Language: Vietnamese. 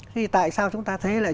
thì tại sao chúng ta thế lại